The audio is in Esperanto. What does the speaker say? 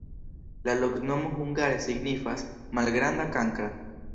La loknomo hungare signifas: malgranda-kankra.